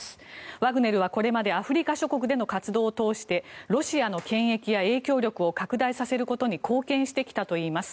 ワグネルはこれまでアフリカ諸国での活動を通してロシアの権益や影響力を拡大させることに貢献してきたといいます。